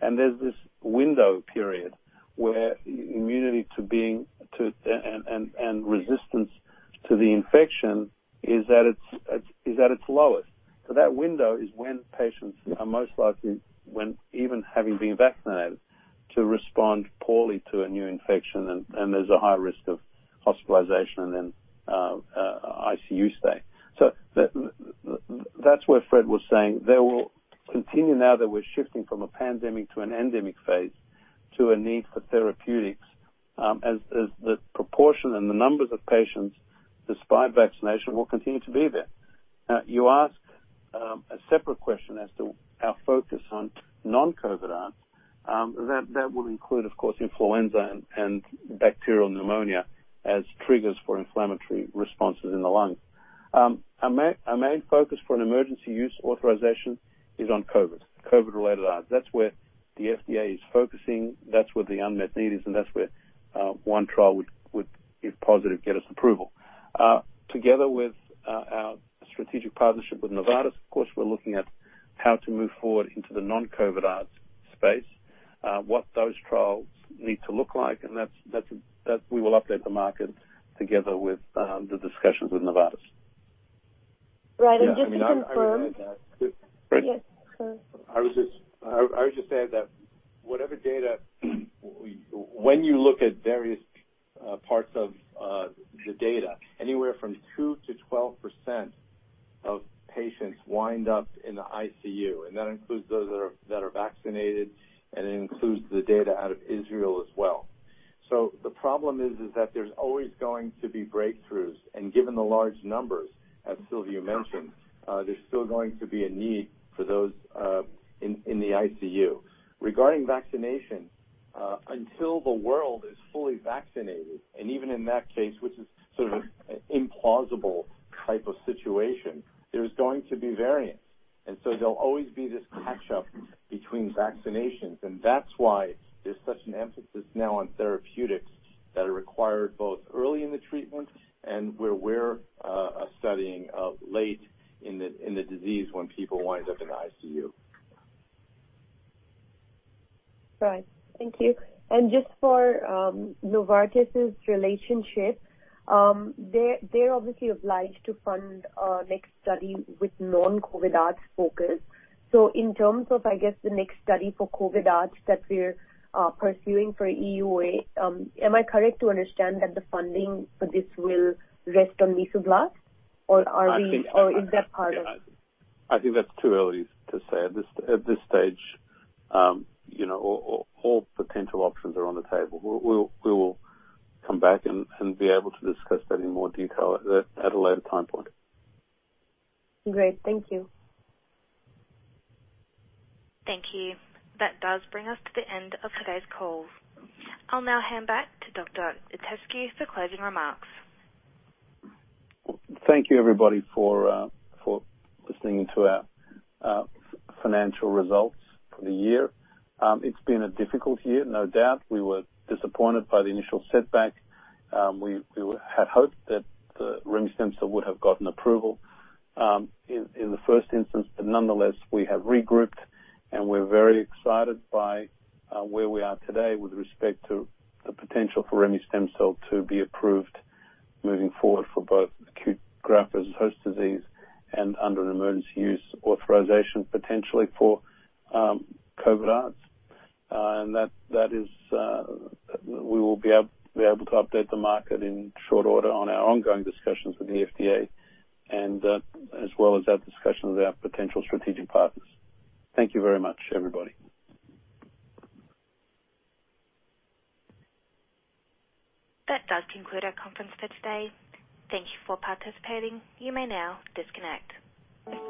and there is this window period where immunity to being, and resistance to the infection is at its lowest. That window is when patients are most likely, when even having been vaccinated, to respond poorly to a new infection, and there is a high risk of hospitalization and ICU stay. That's where Fred was saying there will continue now that we're shifting from a pandemic to an endemic phase, to a need for therapeutics, as the proportion and the numbers of patients despite vaccination will continue to be there. You asked a separate question as to our focus on non-COVID ARDS. That will include, of course, influenza and bacterial pneumonia as triggers for inflammatory responses in the lungs. Our main focus for an emergency use authorization is on COVID-related ARDS. That's where the FDA is focusing, that's where the unmet need is, and that's where one trial would be positive, get us approval. Together with our strategic partnership with Novartis, of course, we're looking at how to move forward into the non-COVID ARDS space, what those trials need to look like, and that we will update the market together with the discussions with Novartis. Right. Just to confirm. Yeah, I mean, I would add that. Yes, please. I would just say that when you look at various parts of the data, anywhere from 2%-2% of patients wind up in the ICU, and that includes those that are vaccinated, and it includes the data out of Israel as well. The problem is that there's always going to be breakthroughs, and given the large numbers, as Silviu mentioned, there's still going to be a need for those in the ICU. Regarding vaccination, until the world is fully vaccinated, and even in that case, which is sort of an implausible type of situation, there's going to be variants. There'll always be this catch-up between vaccinations. That's why there's such an emphasis now on therapeutics that are required both early in the treatment and where we're studying late in the disease when people wind up in the ICU. Right. Thank you. Just for Novartis's relationship, they're obviously obliged to fund our next study with non-COVID ARDS focus. In terms of, I guess, the next study for COVID ARDS that we're pursuing for EUA, am I correct to understand that the funding for this will rest on Mesoblast? I think that's too early to say. At this stage all potential options are on the table. We'll come back and be able to discuss that in more detail at a later time point. Great. Thank you. Thank you. That does bring us to the end of today's call. I'll now hand back to Dr. Itescu for closing remarks. Thank you, everybody, for listening to our financial results for the year. It's been a difficult year, no doubt. We were disappointed by the initial setback. We had hoped that the remestemcel-L would have gotten approval in the first instance. Nonetheless, we have regrouped, and we're very excited by where we are today with respect to the potential for remestemcel-L to be approved moving forward for both acute graft-versus-host disease and under an emergency use authorization, potentially for COVID-ARDS. We will be able to update the market in short order on our ongoing discussions with the FDA and as well as our discussion with our potential strategic partners. Thank you very much, everybody. That does conclude our conference for today. Thank you for participating. You may now disconnect.